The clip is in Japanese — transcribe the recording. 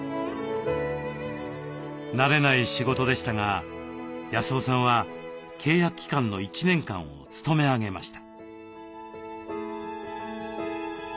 慣れない仕事でしたが康雄さんは契約期間の１年間を勤め上げました。